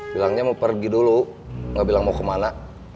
bilangnya mau pergi dulu nggak bilang mau kemana